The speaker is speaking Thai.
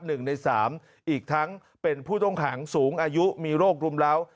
หนึ่งในสามอีกทั้งเป็นผู้ต้องขังสูงอายุมีโรครุมเล้า